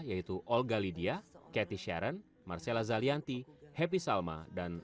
yaitu olga lydia cathy sharon marcella zalianti happy salma dan